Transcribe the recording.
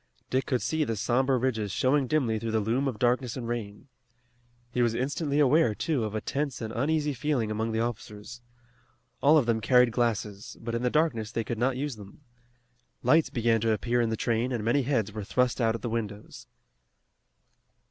Dick could see the somber ridges showing dimly through the loom of darkness and rain. He was instantly aware, too, of a tense and uneasy feeling among the officers. All of them carried glasses, but in the darkness they could not use them. Lights began to appear in the train and many heads were thrust out at the windows.